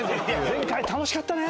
前回楽しかったね。